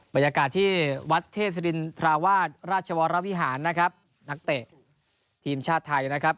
บรรยากาศที่วัดเทพศรินทราวาสราชวรวิหารนะครับนักเตะทีมชาติไทยนะครับ